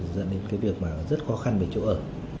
dẫn đến cái việc mà rất khó khăn về chỗ ở